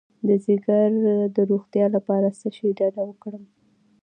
د ځیګر د روغتیا لپاره له څه شي ډډه وکړم؟